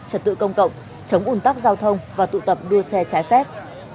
trật tự công cộng chống ủn tắc giao thông và tụ tập đua xe trái phép